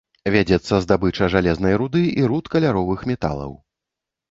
Вядзецца здабыча жалезнай руды і руд каляровых металаў.